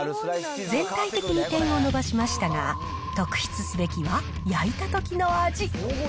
全体的に点を伸ばしましたが、特筆すべきは焼いたときの味。